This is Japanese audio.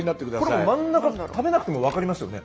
これ真ん中食べなくても分かりますよね。